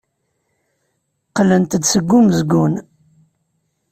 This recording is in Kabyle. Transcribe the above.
Qqlent-d seg umezgun.